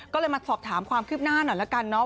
ก็เลยมาสอบถามความคืบหน้าหน่อยละกันเนาะ